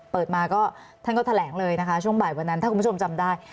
เปิดมาก็ท่านก็แถลงเลยนะคะช่วงบ่ายวันนั้นถ้าคุณผู้ชมจำได้